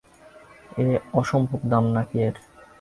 অসম্ভব দাম নাকি এর!